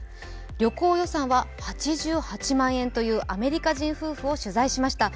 旅行予算は８８万円というアメリカ人夫婦を取材しました。